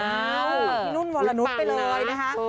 อ้าวพี่นุ้นบรรณนุษย์ไปเลยนะฮะ